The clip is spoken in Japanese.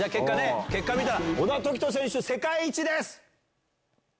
結果見たら、小田凱人選手、世界一です。